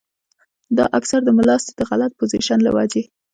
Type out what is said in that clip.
دا اکثر د ملاستې د غلط پوزيشن له وجې